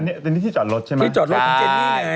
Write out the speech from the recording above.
อันนี้ที่จอดรถใช่ไหมที่จอดรถของเจนนี่ไง